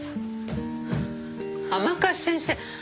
甘春先生